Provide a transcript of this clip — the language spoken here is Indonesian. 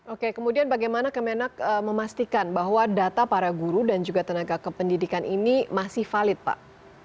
oke kemudian bagaimana kemenak memastikan bahwa data para guru dan juga tenaga kependidikan ini masih valid pak